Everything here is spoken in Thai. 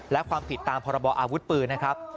และความผิดตามพรบออาวุธปืนนะครับ